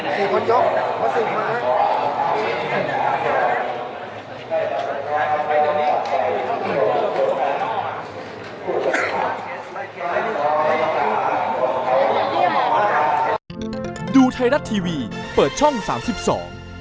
เซฟนยกขอสิทธิ์มา